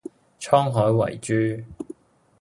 滄海遺珠